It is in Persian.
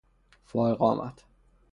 فائق آمد